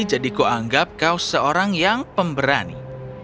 jadi ku anggap kau seorang yang pemberani